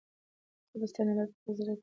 زه به ستا نمبر په خپل زړه کې خوندي کړم.